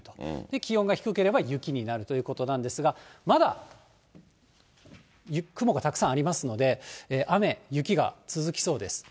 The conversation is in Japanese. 気温が低ければ雪になるということなんですが、まだ雲がたくさんありますので、雨、雪が続きそうです。